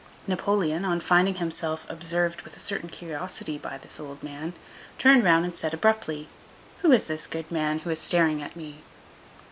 Napoleon, on finding himself observed with a certain curiosity by this old man, turned round and said abruptly:— "Who is this good man who is staring at me?"